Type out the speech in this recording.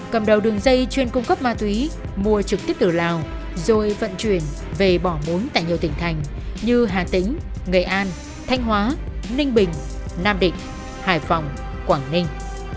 cầm đầu đường dây chuyên cung cấp ma túy mua trực tiếp từ lào rồi vận chuyển về bỏ mối tại nhiều tỉnh thành như hà tĩnh nghệ an thanh hóa ninh bình nam định hải phòng quảng ninh